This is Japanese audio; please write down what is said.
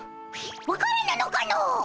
わからぬのかの！